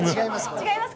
違います